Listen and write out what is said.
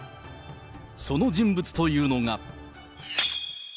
その人物というのが。